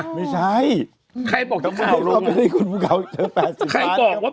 เขาใช้คำมั้งเปรียบเยี่ยมมั้ง